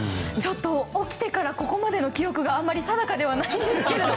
起きてからここまでの記憶があまり定かではないんですけど。